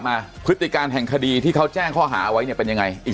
พฤติการแห่งคดีที่เขาแจ้งข้อหาเอาไว้เนี่ยเป็นยังไงอีก